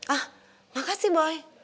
ah makasih boy